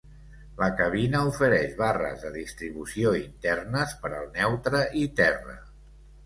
La cabina ofereix barres de distribució internes per al neutre i terra.